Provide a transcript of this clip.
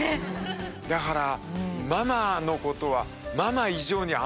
だから。